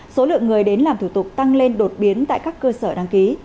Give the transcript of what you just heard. số lượng người đến làm thủ tục tăng lên đột biến tại các cơ sở đăng ký